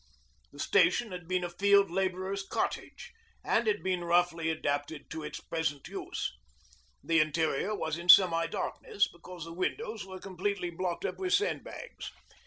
The station had been a field labourer's cottage, and had been roughly adapted to its present use. The interior was in semi darkness, because the windows were completely blocked up with sandbags.